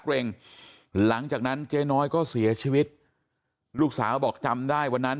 เกร็งหลังจากนั้นเจ๊น้อยก็เสียชีวิตลูกสาวบอกจำได้วันนั้น